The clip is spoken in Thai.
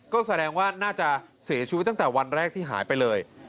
ก็แสดงว่าน่าจะเสียชีวิตตั้งแต่วันแรกที่หายไปเลย